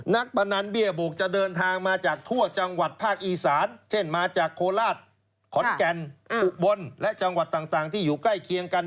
พนันเบี้ยบุกจะเดินทางมาจากทั่วจังหวัดภาคอีสานเช่นมาจากโคราชขอนแก่นอุบลและจังหวัดต่างที่อยู่ใกล้เคียงกัน